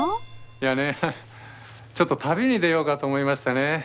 いやねちょっと旅に出ようかと思いましてね。